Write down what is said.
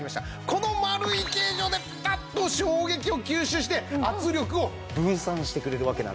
この丸い形状でピタッと衝撃を吸収して圧力を分散してくれるわけなんですね。